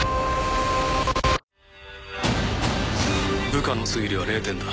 「部下の推理は０点だ」